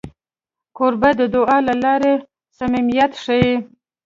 کوربه د دعا له لارې صمیمیت ښيي.